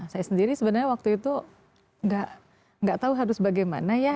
saya sendiri sebenarnya waktu itu nggak tahu harus bagaimana ya